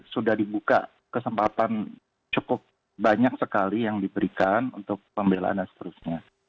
sudah dibuka kesempatan cukup banyak sekali yang diberikan untuk pembelaan dan seterusnya